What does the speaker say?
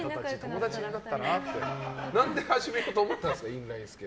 何で始めようと思ったんですか？